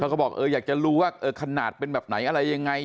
เขาบอกอยากจะรู้ว่าขนาดเป็นแบบไหนอะไรยังไง